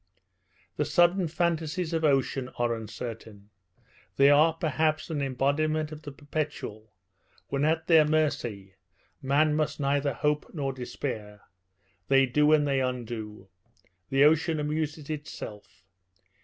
The sudden fantasies of ocean are uncertain. They are, perhaps, an embodiment of the perpetual, when at their mercy man must neither hope nor despair. They do and they undo. The ocean amuses itself.